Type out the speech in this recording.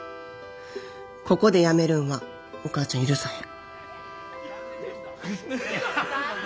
ここでやめるんはお母ちゃん許さへん。